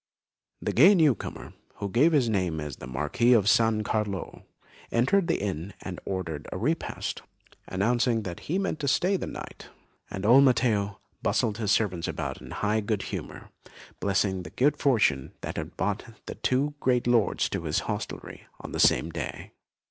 The gay newcomer, who gave his name as the Marquis of San Carlo, entered the inn and ordered a repast, announcing that he meant to remain the night; and old Matteo bustled his servants about in high good humour, blessing the good fortune that had brought two great lords to his hostelry on the same day.